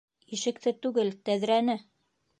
Ишекте түгел, тәҙрәне!